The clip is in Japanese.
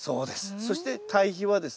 そして堆肥はですね